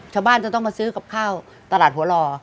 ชาวบ้านจะต้องมาซื้อกับข้าวตลาดหัวหล่อ